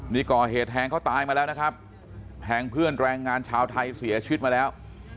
นี่ก่อเหตุแทงเขาตายมาแล้วนะครับแทงเพื่อนแรงงานชาวไทยเสียชีวิตมาแล้ว